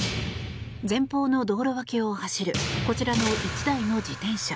前方の道路脇を走るこちらの１台の自転車。